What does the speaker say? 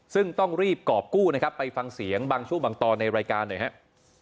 ซึ่งต้องรีบกรอบกู้นะครับไปฟังเสียงบางช่วงบางตอนในรายการหน่อยครับ